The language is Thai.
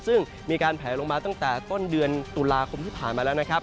ซึ่งมีการแผลลงมาตั้งแต่ต้นเดือนตุลาคมที่ผ่านมาแล้วนะครับ